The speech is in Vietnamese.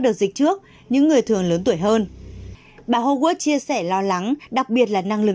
đợt dịch trước những người thường lớn tuổi hơn bà huguad chia sẻ lo lắng đặc biệt là năng lực